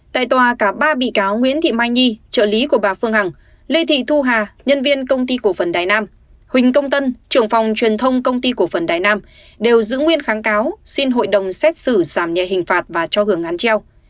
tại tòa cả ba bị cáo nguyễn thị mai nhi trợ lý của bà phương hằng lê thị thu hà nhân viên công ty cổ phần đài nam huỳnh công tân trưởng phòng truyền thông công ty cổ phần đài nam đều giữ nguyên kháng cáo xin hội đồng xét xử giảm nhẹ hình phạt và cho hưởng án treo